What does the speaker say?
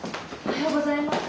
おはようございます。